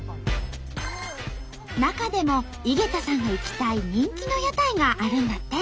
中でも井桁さんが行きたい人気の屋台があるんだって。